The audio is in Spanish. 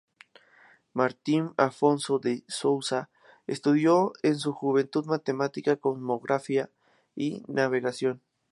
Martim Afonso de Sousa estudió en su juventud matemática, cosmografía y navegación.